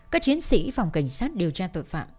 các chiến sĩ phòng cảnh sát điều tra tội phạm